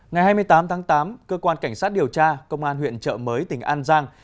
ngày hai mươi tám tháng tám cơ quan cảnh sát điều tra công an huyện trợ mới tỉnh an giang